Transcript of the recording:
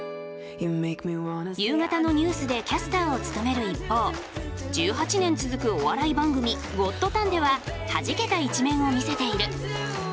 夕方のニュースでキャスターを務める一方１８年続くお笑い番組「ゴッドタン」でははじけた一面を見せている。